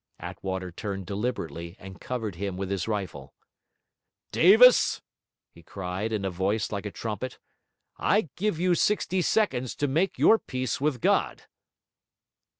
Attwater turned deliberately and covered him with his rifle. 'Davis,' he cried, in a voice like a trumpet, 'I give you sixty seconds to make your peace with God!'